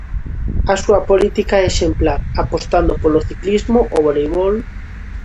A súa política é exemplar, apostando polo ciclismo, o voleibol...